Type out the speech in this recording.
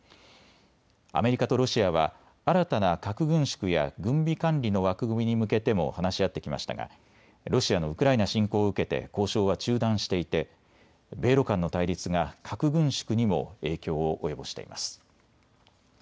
アメリカとロシアは新たな核軍縮や軍備管理の枠組みに向けても話し合ってきましたがロシアのウクライナ侵攻を受けて交渉は中断していて米ロ間の対立が核軍縮にも影響を及ぼしています。